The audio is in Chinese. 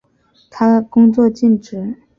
他工作尽职。